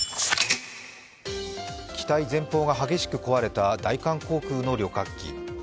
機体前方が激しく壊れた大韓航空の旅客機。